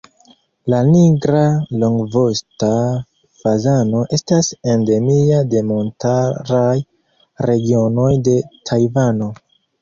La Nigra longvosta fazano estas endemia de montaraj regionoj de Tajvano.